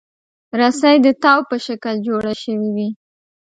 رسۍ د تاو په شکل جوړه شوې وي.